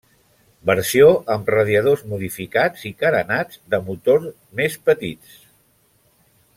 Versió amb radiadors modificats i carenats de motor més petits.